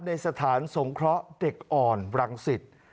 ในสถานสงเคราะห์เด็กอ่อนรังสิต